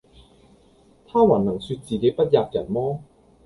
他還能説自己不喫人麼？